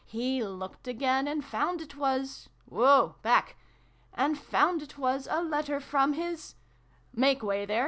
He looked again, and found it was woa back ! and found it was A letter from his make way there